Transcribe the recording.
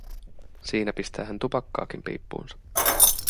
Siinä pistää hän tupakkaakin piippuunsa.